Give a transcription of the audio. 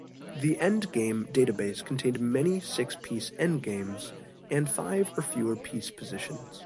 The endgame database contained many six piece endgames and five or fewer piece positions.